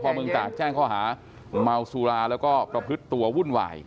ภมึงจากแช่งเขาหาเมาสุราและก็ประพฤติตัววุ่นวาย